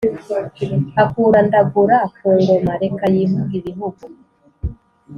akura ndagura ku ngoma! reka yivuge ibihugu